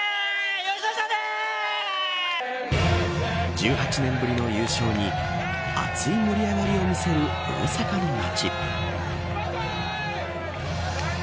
１８年ぶりの優勝に熱い盛り上がりを見せる大阪の街。